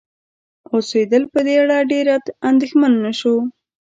اوسیدل په دې اړه ډېر اندیښمن نشو